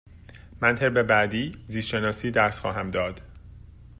من ترم بعد زیست شناسی درس خواهم داد.